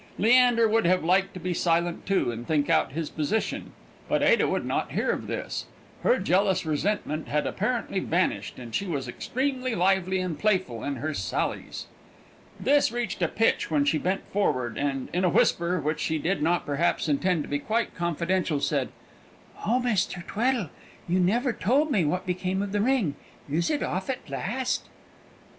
Leander would have liked to be silent too, and think out his position; but Ada would not hear of this. Her jealous resentment had apparently vanished, and she was extremely lively and playful in her sallies. This reached a pitch when she bent forward, and, in a whisper, which she did not, perhaps, intend to be quite confidential, said, "Oh, Mr. Tweddle, you never told me what became of the ring! Is it off at last?"